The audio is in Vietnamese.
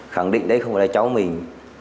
khẳng định đấy không phải là cháu mình